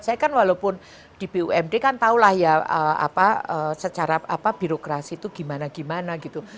saya kan walaupun di bumd kan tahulah ya apa secara birokrasi itu gimana gimana gitu